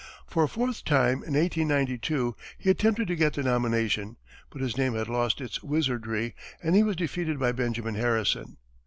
For a fourth time, in 1892, he attempted to get the nomination, but his name had lost its wizardry, and he was defeated by Benjamin Harrison.